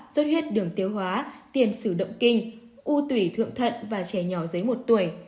rốt huyết đường tiêu hóa tiền xử động kinh u tủy thượng thận và trẻ nhỏ dưới một tuổi